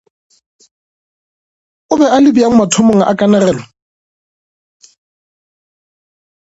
O be a le bjang mathomong a kanegelo?